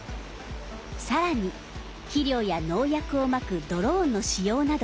さらに肥料や農薬をまくドローンの使用などもバックアップ。